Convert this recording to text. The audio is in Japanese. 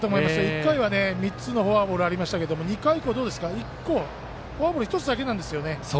１回は３つのフォアボールありましたが２回はフォアボール１つだけなんですよね。